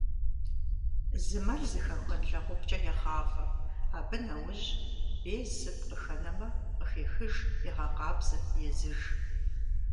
Зы мэл зыхэхуэн лэгъупкӏэ егъавэ, абы нэужь без, сыт къыхэнэмэ, къыхехыж, егъэкъабзэ, езыж.